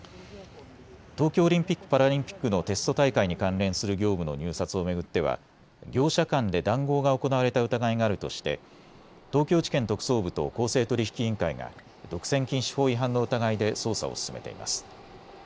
東京オリンピック・パラリンピックのテスト大会に関連する業務の入札を巡っては業者間で談合が行われた疑いがあるとして東京地検特捜部と公正取引委員会が独占禁止法違反の疑いで捜査を進めています。